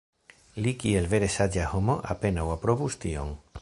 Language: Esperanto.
Li kiel vere saĝa homo apenaŭ aprobus tion.